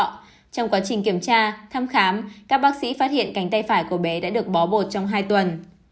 trong quá trình kiểm tra thăm khám các bác sĩ phát hiện cánh tay phải của bé đã được bó bột trong hai tuần